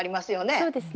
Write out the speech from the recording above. そうですね